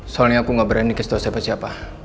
soalnya aku gak berani kasih tahu siapa siapa